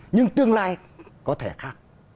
nhưng tương lai có thể khác